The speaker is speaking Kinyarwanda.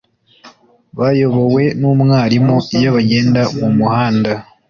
bayobowe n umwarimu iyo bagenda mu muhanda